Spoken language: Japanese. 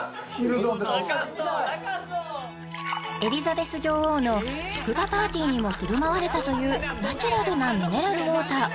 エリザベス女王の祝賀パーティーにも振る舞われたというナチュラルなミネラルウォーター